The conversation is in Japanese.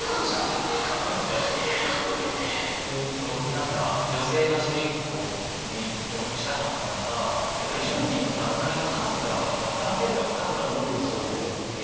何か女性が主人公にしたかったのがやっぱり準備の段階の数が男性よりは数が多いのかなと思って。